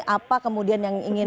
apa kemudian yang ingin